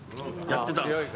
やってたよ。